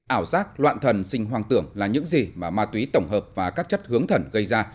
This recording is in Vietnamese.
ảo giác loạn thần sinh hoang tưởng là những gì mà ma túy tổng hợp và các chất hướng thần gây ra